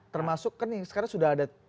termasuk kan yang sekarang sudah ada